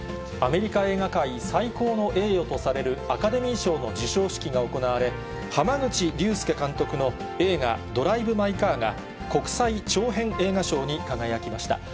アメリカ映画界最高の栄誉とされるアカデミー賞の授賞式が行われ、濱口竜介監督の映画、ドライブ・マイ・カーが、国際長編映画賞に輝きました。